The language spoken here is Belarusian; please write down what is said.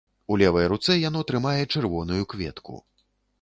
У левай руцэ яно трымае чырвоную кветку.